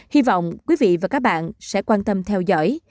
hy vọng quý vị và các bạn sẽ quan tâm theo dõi